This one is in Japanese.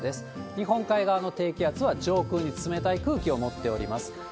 日本海側の低気圧は上空に冷たい空気を持っております。